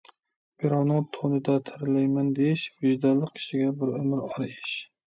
بىراۋنىڭ تونىدا تەرلەيمەن دېيىش، ۋىجدانلىق كىشىگە بىر ئۆمۈر ئار ئىش.